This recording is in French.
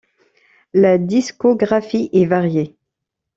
La discographie est varié.